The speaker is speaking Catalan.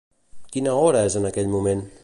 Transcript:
Quina hora és en aquell moment?